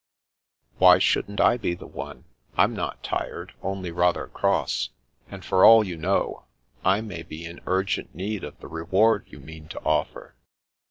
" Why shouldn't I be the one? I'm not tired, only rather cross, and for all you know, I may be in urgent need of the reward you mean to offer."